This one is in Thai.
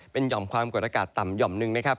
เป็นห่อมความกดอากาศต่ำหย่อมหนึ่งนะครับ